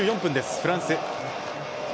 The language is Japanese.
フランス。